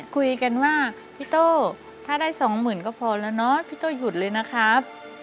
คุยกันว่าพี่โตถ้าได้๒๐๐๐๐บาทก็พอแล้วนะพี่โตหยุดเลยนะครับ